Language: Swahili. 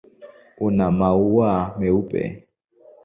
Una maua meupe.